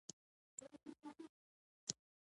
د براته شپه ده پنځلسی دی نجلۍ